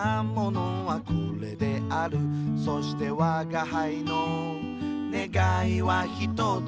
「そしてわが輩の願いはひとつ」